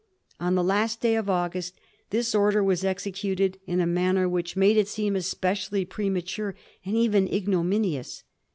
On the last day of August, this order was executed in a manner which made it seem especially premature, and even ignominious.